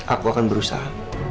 aku akan berusaha